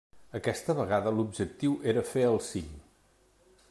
Aquesta vegada l'objectiu era fer el cim.